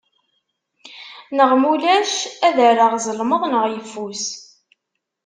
Neɣ ma ulac ad rreɣ zelmeḍ neɣ yeffus.